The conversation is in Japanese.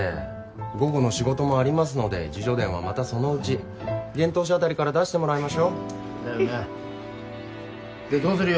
午後の仕事もありますので自叙伝はまたそのうち幻冬舎あたりから出してもらいましょうだよなでどうするよ？